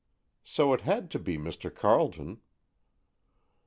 So it had to be Mr. Carleton."